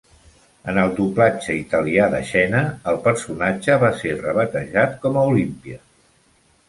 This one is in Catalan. En el doblatge italià de Xena, el personatge va ser rebatejat com a "Olimpia".